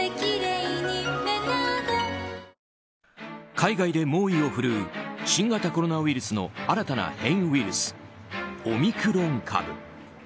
海外で猛威を振るう新型コロナウイルスの新たな変異ウイルスオミクロン株。